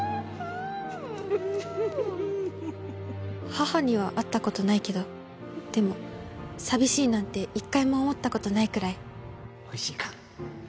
母には会ったことないけどでも寂しいなんて１回も思ったことないくらいおいしいか？